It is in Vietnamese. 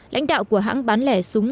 lãnh đạo của hãng bán lẻ súng